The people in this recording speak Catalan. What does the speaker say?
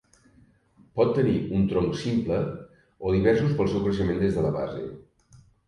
Pot tenir un tronc simple o diversos pel seu creixement des de la base.